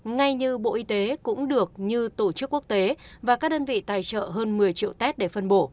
ngay như bộ y tế cũng được như tổ chức quốc tế và các đơn vị tài trợ hơn một mươi triệu test để phân bổ